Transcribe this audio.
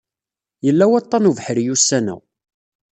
Yella waṭṭan n ubeḥri ussan-a.